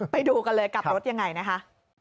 ไปดูกันเลยกลับรถยังไงนะคะ